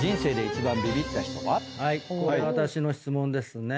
これ私の質問ですね。